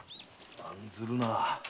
案ずるな。